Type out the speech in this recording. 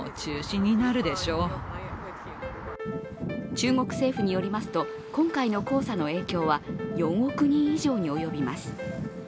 中国政府によりますと今回の黄砂の影響は４億人以上に及びます。